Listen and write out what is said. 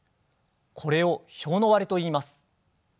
これを票の割れといいます。